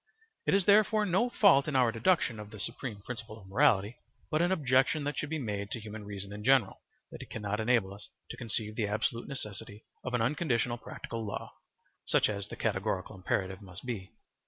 It is therefore no fault in our deduction of the supreme principle of morality, but an objection that should be made to human reason in general, that it cannot enable us to conceive the absolute necessity of an unconditional practical law (such as the categorical imperative must be).